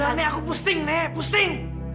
udah nek aku pusing nek pusing